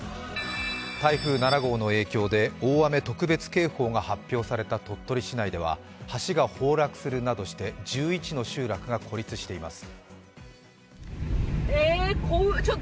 台風７号の影響で大雨特別警報が発表された鳥取市内では橋が崩落するなどして１１の集落が孤立しています。